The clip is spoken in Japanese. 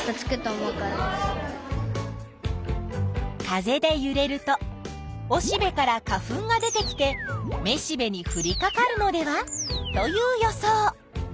風でゆれるとおしべから花粉が出てきてめしべにふりかかるのではという予想。